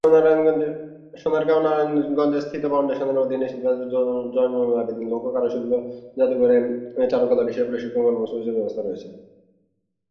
সোনারগাঁও, নারায়ণগঞ্জে স্থিত এ ফাউন্ডেশনের অধীনে শিল্পাচার্য জয়নুল লোক ও কারুশিল্প জাদুঘরে চারুকলা বিষয়ে প্রশিক্ষণ কর্মসূচির ব্যবস্থা রয়েছে।